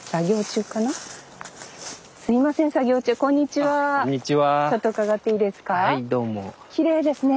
ちょっと伺っていいですか？